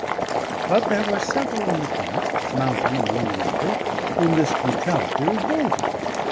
But there were several in the camp (Mountain among the number) whom this brutality revolted.